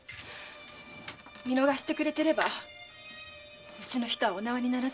見逃してくれてればうちの人はお縄にならずにすんだ。